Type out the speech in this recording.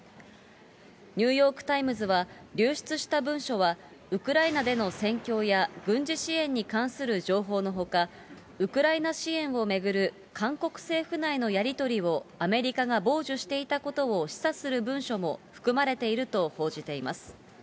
ニューヨークタイムズは、流出した文書は、ウクライナでの戦況や軍事支援に関する情報のほか、ウクライナ支援を巡る韓国政府内のやり取りをアメリカが傍受していたことを示唆する文書も含まれていると報じています。